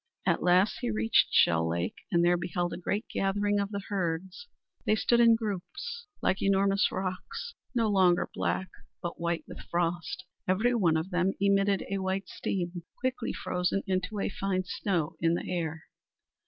At last he reached Shell Lake, and there beheld a great gathering of the herds! They stood in groups, like enormous rocks, no longer black, but white with frost. Every one of them emitted a white steam, quickly frozen into a fine snow in the air.